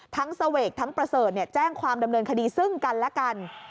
เสวกทั้งประเสริฐแจ้งความดำเนินคดีซึ่งกันและกัน